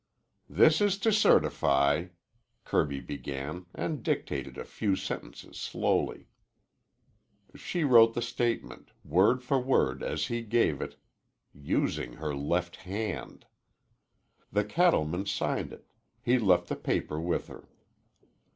"This is to certify " Kirby began, and dictated a few sentences slowly. She wrote the statement, word for word as he gave it, using her left hand. The cattleman signed it. He left the paper with her.